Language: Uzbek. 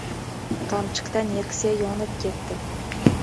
"Qamchiq"da "Neksiya" yonib ketdi